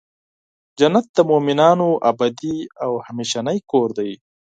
جنت د مؤمنانو ابدې او همیشنی کور دی .